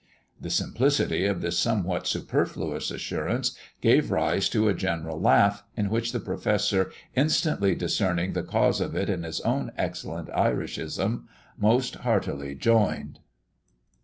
The simplicity of this somewhat superfluous assurance gave rise to a general laugh, in which the Professor, instantly discerning the cause of it in his own excellent Irishism, most heartily joined.